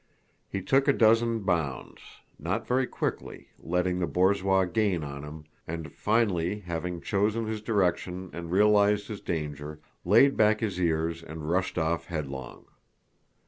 He took a dozen bounds, not very quickly, letting the borzois gain on him, and, finally having chosen his direction and realized his danger, laid back his ears and rushed off headlong.